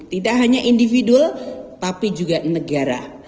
tidak hanya individu tapi juga negara